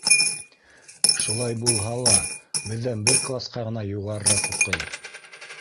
Шулай булһа ла, беҙҙән бер класҡа ғына юғарыраҡ уҡый.